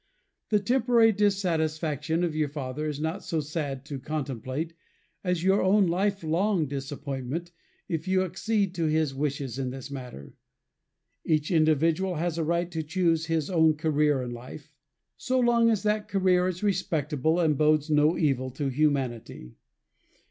The temporary dissatisfaction of your father is not so sad to contemplate as your own lifelong disappointment if you accede to his wishes in this matter. Each individual has a right to choose his own career in life, so long as that career is respectable and bodes no evil to humanity.